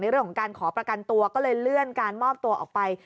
เรื่องของการขอประกันตัวก็เลยเลื่อนการมอบตัวออกไป